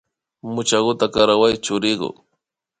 Muchakuta karaway churiku